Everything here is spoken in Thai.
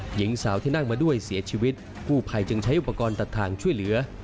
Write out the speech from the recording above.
หญิงสาวที่นั่งมาด้วยเสียชีวิตกู้ภัยจึงใช้อุปกรณ์ตัดทางช่วยเหลือ